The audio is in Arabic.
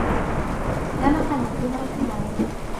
رمقني بنظرة مرعبة